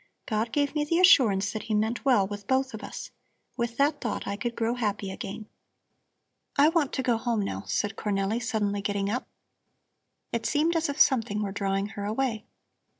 God gave me the assurance that He meant well with both of us. With that thought I could grow happy again." "I want to go home, now," said Cornelli, suddenly getting up. It seemed as if something were drawing her away.